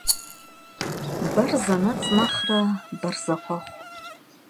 Ber zenets' nexhre ber zexhuexhu.